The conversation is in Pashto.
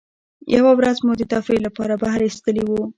یوه ورځ مو د تفریح له پاره بهر ایستلي وو.